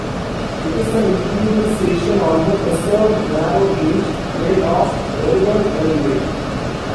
It is an intermediate station on the preserved narrow gauge Vale of Rheidol Railway.